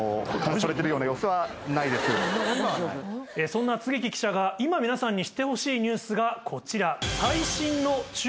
そんな槻木記者が今皆さんに知ってほしいニュースがこちら。